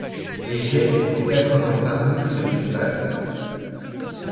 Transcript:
Et jette aux quatre vents farouches de l'espace